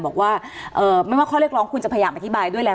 บอกว่าไม่ว่าข้อเรียกร้องคุณจะพยายามอธิบายด้วยแล้ว